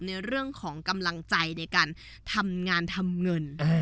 ในเรื่องของกำลังใจในการทำงานทำเงิน